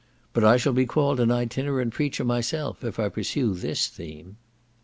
But I shall be called an itinerant preacher myself if I pursue this theme.